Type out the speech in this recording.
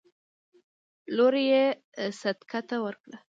لور يې صدک ته ورکړه.